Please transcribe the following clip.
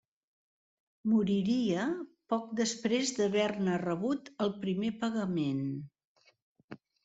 Moriria poc després d'haver-ne rebut el primer pagament.